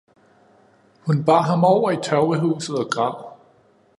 Hun bar ham over i tørvehuset og græd